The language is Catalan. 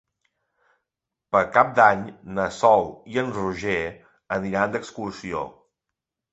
Per Cap d'Any na Sol i en Roger aniran d'excursió.